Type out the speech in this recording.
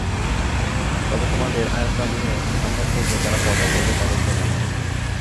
তবে, তোমাদের আয়ত্তাধীনে আসার পূর্বে যারা তওবা করবে, তাদের জন্য নয়।